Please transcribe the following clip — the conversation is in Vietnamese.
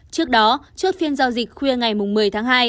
trước đó trước phiên giao dịch khuya ngày một mươi tháng hai